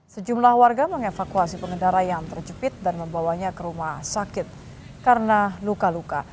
sejumlah warga mengevakuasi pengendara yang terjepit dan membawanya ke rumah sakit karena luka luka